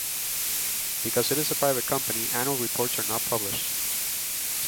Because it is a private company, annual reports are not published.